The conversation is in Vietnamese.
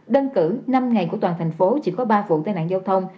đơn cử năm ngày của toàn thành phố chỉ có ba vụ tai nạn giao thông